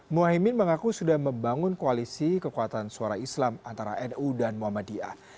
muhaymin mengaku sudah membangun koalisi kekuatan suara islam antara nu dan muhammadiyah